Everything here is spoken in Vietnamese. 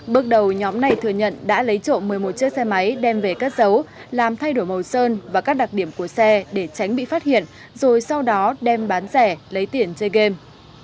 bước đầu nhóm này thừa nhận đã lấy trộm một mươi một chiếc xe máy đem về cất giấu làm thay đổi màu sơn và các đặc điểm của xe để tránh bị phát hiện rồi sau đó đem bán rẻ lấy tiền chơi game